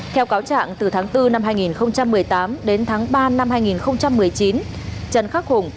theo cáo trạng từ tháng bốn năm hai nghìn một mươi tám đến tháng ba năm hai nghìn một mươi chín trần khắc hùng